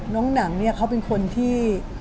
น้องหนังเนี่ยเขาเป็นคนที่